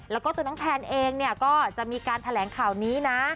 แล้วก็ตัวน้องแทนเองเนี่ยก็จะมีการแถลงข่าวนี้นะ